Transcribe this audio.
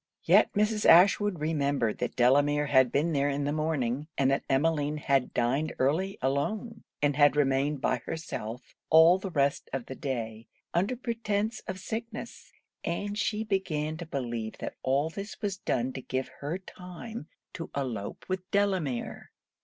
Yet Mrs. Ashwood remembered that Delamere had been there in the morning, and that Emmeline had dined early alone, and had remained by herself all the rest of the day, under pretence of sickness; and she began to believe that all this was done to give her time to elope with Delamere.